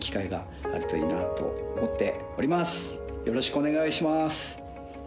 よろしくお願いします！